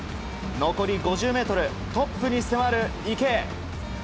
残り５０ｍ、トップに迫る池江。